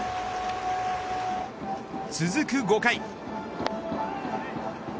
続く５回。